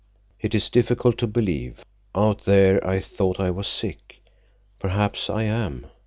"It is difficult to believe. Out there I thought I was sick. Perhaps I am.